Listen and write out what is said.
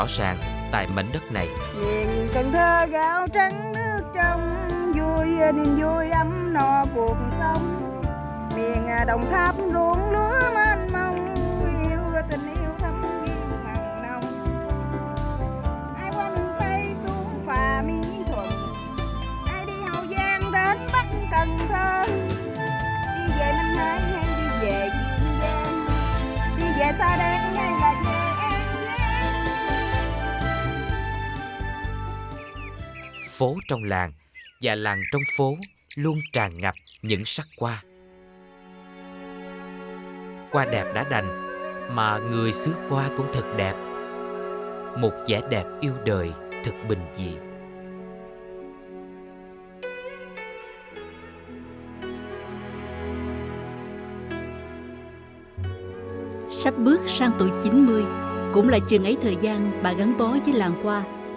sắp bước sang tuổi chín mươi cũng là trường ấy thời gian bà gắn bó với làng qua